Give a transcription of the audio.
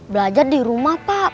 belajar di rumah pak